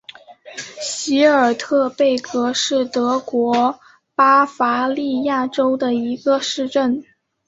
席尔特贝格是德国巴伐利亚州的一个市镇。